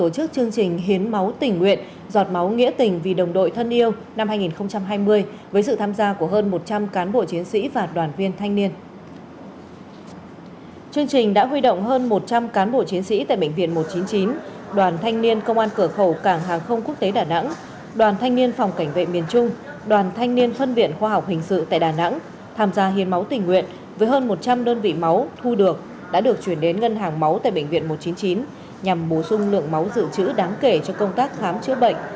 chương trình đã huy động hơn một trăm linh cán bộ chiến sĩ tại bệnh viện một trăm chín mươi chín đoàn thanh niên công an cửa khẩu cảng hàng không quốc tế đà nẵng đoàn thanh niên phòng cảnh vệ miền trung đoàn thanh niên phân viện khoa học hình sự tại đà nẵng tham gia hiên máu tình nguyện với hơn một trăm linh đơn vị máu thu được đã được chuyển đến ngân hàng máu tại bệnh viện một trăm chín mươi chín nhằm bù sung lượng máu dự trữ đáng kể cho công tác khám chữa bệnh